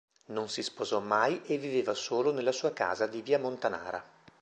Non si sposò mai e viveva solo nella sua casa di via Montanara.